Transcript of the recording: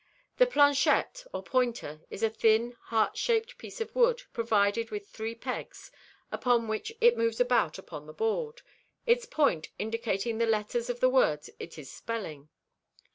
The planchette, or pointer, is a thin, heart shaped piece of wood provided with three legs, upon which it moves about upon the board, its point indicating the letters of the words it is spelling.